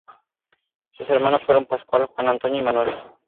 Sus hermanos fueron Pascual, Juan, Antonio y Manuel.